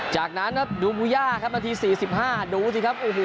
จากนั้นน่ะโดรนผู้ย่านะครับนักทีสิบห้าดูสิครับอูหู